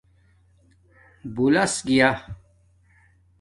بولاس گیا